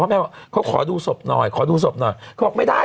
พ่อแม่เขาก็ขอดูศพหน่อย